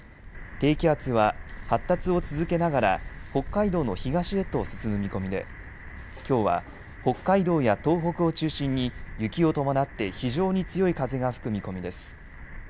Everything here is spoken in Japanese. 低気圧は発達を続けながら北海道の東へと進む見込みできょうは北海道や東北を中心に雪を伴って非常に強い風が吹く見込みです。